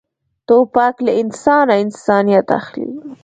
توپک له انسانه انسانیت اخلي.